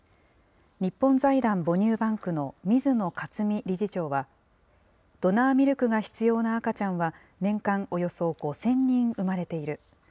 日本財団母乳バンクの水野克己理事長は、ドナーミルクが必要な赤ちゃんは年間およそ５０００人生まれている。